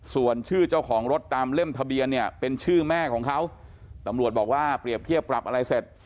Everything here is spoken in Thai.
ส่วนชื่อเจ้าของรถตามเล่มทะเบียนเนี่ยเป็นชื่อแม่ของเขาตำรวจบอกว่าเปรียบเทียบปรับอะไรเสร็จ